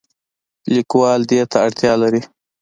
لیکوال دې ته اړتیا لري.